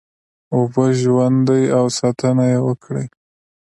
اوبه ژوند دی او ساتنه یې وکړی